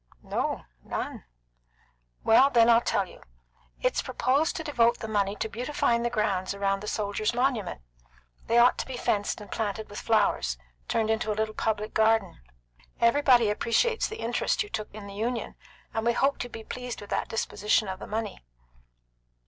"No, none." "Then I'll tell you. It's proposed to devote the money to beautifying the grounds around the soldiers' monument. They ought to be fenced and planted with flowers turned into a little public garden. Everybody appreciates the interest you took in the Union, and we hoped you'd be pleased with that disposition of the money."